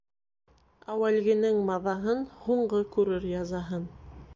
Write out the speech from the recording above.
Әүәлгенең маҙаһын һуңғы күрер язаһын.